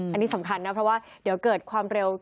อันนี้สำคัญนะเพราะว่าเดี๋ยวเกิดความเร็ว